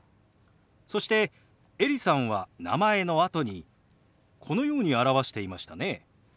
そしてエリさんは名前のあとにこのように表していましたね。